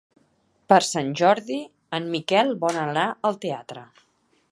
Per Sant Jordi en Miquel vol anar al teatre.